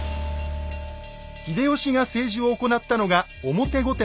秀吉が政治を行ったのが「表御殿」です。